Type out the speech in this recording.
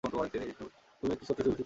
তুমি এক ছোট্ট সূর্যরশ্মি, তাই না?